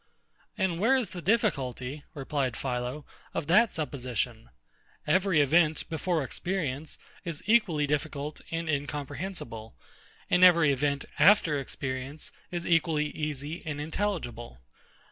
And where is the difficulty, replied PHILO, of that supposition? Every event, before experience, is equally difficult and incomprehensible; and every event, after experience, is equally easy and intelligible.